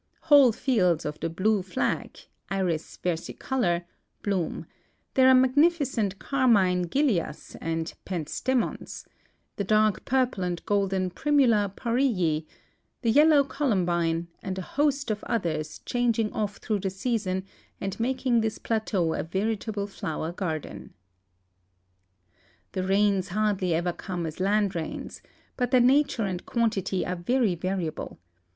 Whole fields of the blue tlag (/>•<»• versicolor) 212 THE FORESTS AND DESERTS OF ARIZONA bloom ; there are magnificent carmine Gilias and Pentstemons, the dark purple and golden Primula imrryi, the yellow columbine, and a host of others changing off through the season and mak ing this plateau a veritable flower garden. The rains hardly ever corneas land rains, but their nature and quantity are very variable.